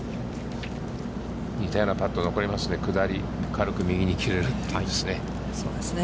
似たようなパットが残りますね、下り、軽く右に切れるというね。